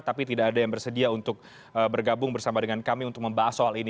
tapi tidak ada yang bersedia untuk bergabung bersama dengan kami untuk membahas soal ini